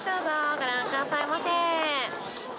ご覧くださいませ。